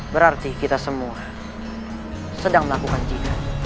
berarti kita semua sedang melakukan jihad